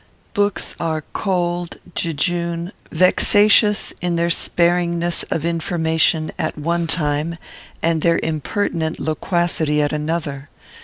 Books are cold, jejune, vexatious in their sparingness of information at one time and their impertinent loquacity at another.